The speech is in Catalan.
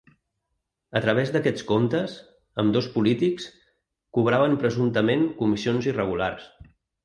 A través d’aquests comptes, ambdós polítics, cobraven presumptament comissions irregulars.